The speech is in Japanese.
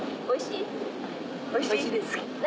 おいしいですよ。